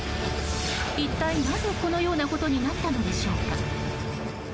一体なぜ、このようなことになったのでしょうか。